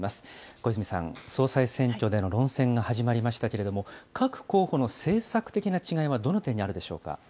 小泉さん、総裁選挙での論戦が始まりましたけれども、各候補の政策的な違いはどの点にあるでしょうか。